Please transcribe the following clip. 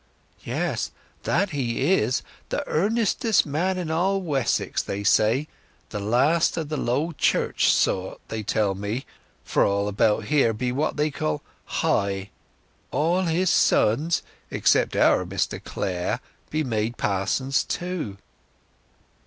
"Yes—that he is—the earnestest man in all Wessex, they say—the last of the old Low Church sort, they tell me—for all about here be what they call High. All his sons, except our Mr Clare, be made pa'sons too."